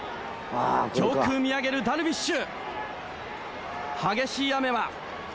上空見上げるダルビッシュ。